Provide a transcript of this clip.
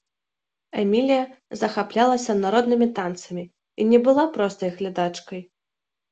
Эмілія захаплялася народнымі танцамі і не была простай глядачкай.